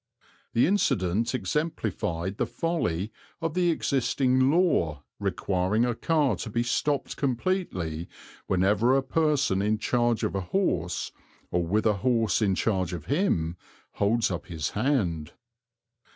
The incident exemplified the folly of the existing law requiring a car to be stopped completely whenever a person in charge of a horse, or with a horse in charge of him, holds up his hand.